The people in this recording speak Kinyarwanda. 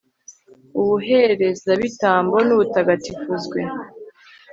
ubuherezabitambo n'ubutagatifuzwe